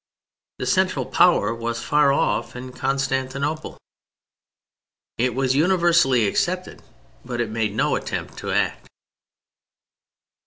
The central power was far off in Constantinople. It was universally accepted, but it made no attempt to act.